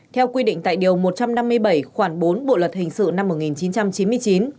theo quy định tại điều một trăm năm mươi bảy khoảng bốn bộ luật hình sự năm một nghìn chín trăm chín mươi chín